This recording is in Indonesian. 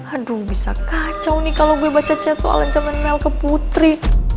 aduh bisa kacau nih kalo gue baca chat soalan jaman mel ke putri